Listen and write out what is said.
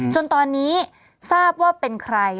จนตอนนี้ทราบว่าเป็นใคร